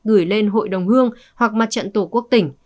gửi lên hội đồng hương hoặc mặt trận tổ quốc tỉnh